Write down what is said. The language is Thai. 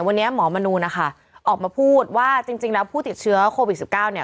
วันนี้หมอมนูนนะคะออกมาพูดว่าจริงแล้วผู้ติดเชื้อโควิด๑๙เนี่ย